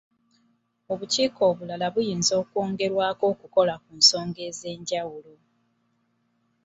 Obukiiko obulala buyinza okwongerwako okukola ku nsonga ez’enjawulo.